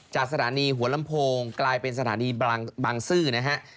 จากสถานีหัวลำโพงกลายเป็นสถานีบางซื่อนะฮะ